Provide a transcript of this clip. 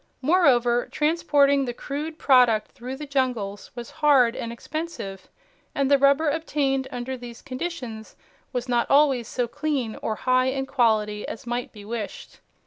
Moreover, transporting the crude product through the jungles was hard and expensive and the rubber obtained under these conditions was not always so clean or high in quality as might be wished.